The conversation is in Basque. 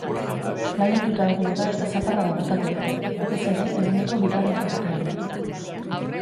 Lainotuta egongo da eta zaparradak botako ditu, batez ere eguneko bigarren partean.